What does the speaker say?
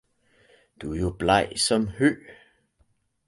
Du er jo bleg som hø